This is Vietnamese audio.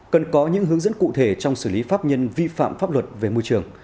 cần có những hướng dẫn cụ thể trong xử lý pháp nhân vi phạm pháp luật về môi trường